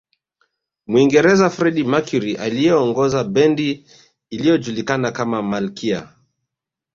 Muingereza Freddie Mercury aliyeongoza bendi iliyojulikana kama malkia